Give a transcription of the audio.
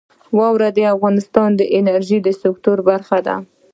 واوره د افغانستان د انرژۍ سکتور برخه ده.